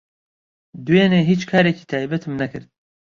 دوێنێ هیچ کارێکی تایبەتم نەکرد.